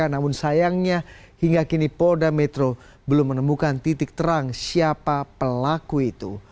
namun sayangnya hingga kini polda metro belum menemukan titik terang siapa pelaku itu